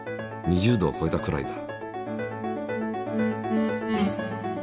２０度をこえたくらいだ。